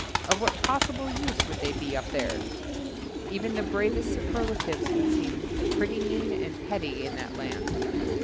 Of what possible use would they be up there? Even the bravest superlatives would seem pretty mean and petty in that land.